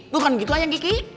bukan gitu lah yang kiki